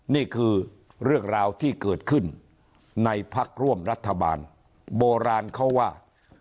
นี่คือเรื่องราวที่เกิดขึ้นในพักร่วมรัฐบาลโบราณเขาว่า